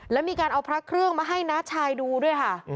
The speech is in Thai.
แล้วมีการเอาพระเครื่องมาให้น้าชายดูด้วยค่ะ